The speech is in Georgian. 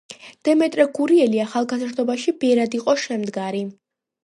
დემეტრე გურიელი ახალგაზრდობაში ბერად იყო შემდგარი.